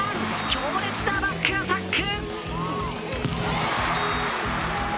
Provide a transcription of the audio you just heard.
強烈なバックアタック。